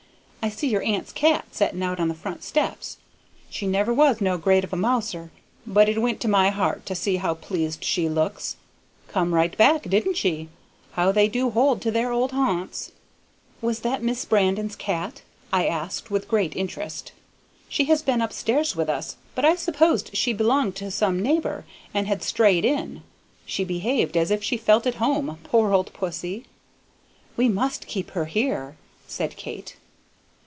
I see your aunt's cat setting out on the front steps. She never was no great of a mouser, but it went to my heart to see how pleased she looks! Come right back, didn't she? How they do hold to their old haunts!" "Was that Miss Brandon's cat?" I asked, with great interest. "She has been up stairs with us, but I supposed she belonged to some neighbor, and had strayed in. She behaved as if she felt at home, poor old pussy!" "We must keep her here," said Kate.